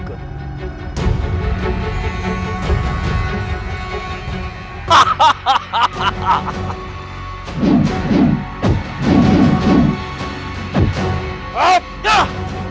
kerajaan batu jajah